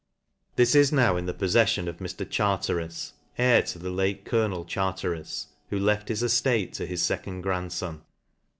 \ This is now in the poffemVon of Mr. Charteris* heir to the late colonel Cbarteris, who left his eftate to his fecond grandfon.